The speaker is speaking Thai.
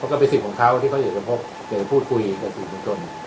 ก็เป็นซิ่มของเขาที่เขาอยากจะพบอยากจะพูดคุยกับสิ่งในกรณส่วน